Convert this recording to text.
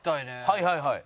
はいはいはい。